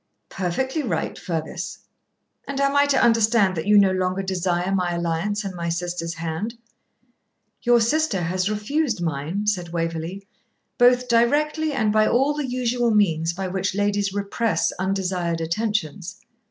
'Perfectly right, Fergus.' 'And am I to understand that you no longer desire my alliance and my sister's hand?' 'Your sister has refused mine,' said Waverley, 'both directly and by all the usual means by which ladies repress undesired attentions.'